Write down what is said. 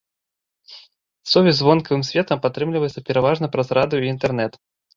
Сувязь з вонкавым светам падтрымліваецца пераважна праз радыё і інтэрнэт.